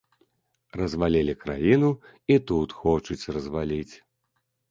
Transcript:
Развалілі краіну, і тут хочуць разваліць.